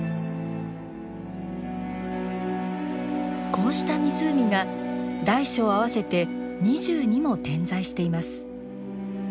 こうした湖が大小合わせて２２も点在しています。